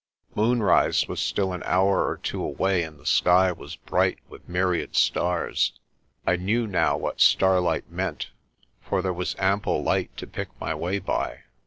Moonrise was still an hour or two away and the sky was bright with myriad stars. I knew now what starlight meant, for there was ample light to pick my way by.